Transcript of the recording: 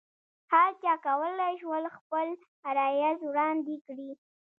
هرچا کولای شول خپل عرایض وړاندې کړي.